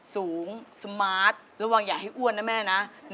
สูงสมาร์ทระวังอย่าให้อ้วนนะแม่นะ